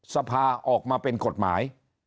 สภาออกมาเป็นกฎหมาย